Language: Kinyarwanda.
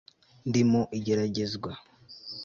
Ndi mu igeragezwa